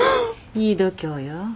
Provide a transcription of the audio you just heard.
いい度胸よ。